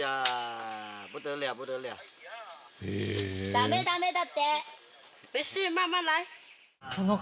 「ダメダメ」だって。